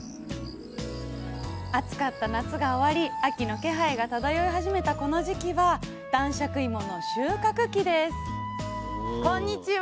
暑かった夏が終わり秋の気配が漂い始めたこの時期は男爵いもの収穫期ですこんにちは。